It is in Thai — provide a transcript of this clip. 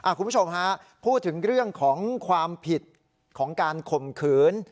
คุณผู้ชมฮะพูดถึงเรื่องของความผิดของการข่มขืน